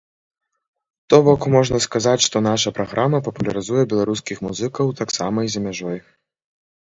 То бок, можна сказаць, што наша праграма папулярызуе беларускіх музыкаў таксама і за мяжой.